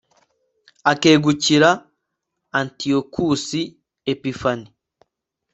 akegukira antiyokusi epifani